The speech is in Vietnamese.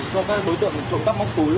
cho các đối tượng trộm tắp móc túi